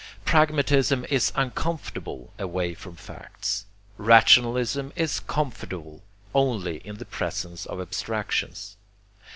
Pragmatism is uncomfortable away from facts. Rationalism is comfortable only in the presence of abstractions.